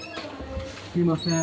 すいません。